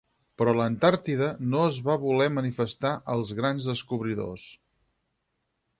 Però l'Antàrtida no es va voler manifestar als grans descobridors.